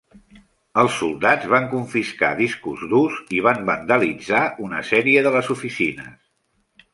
Els soldats van confiscar discos durs i van vandalitzar una sèrie de les oficines.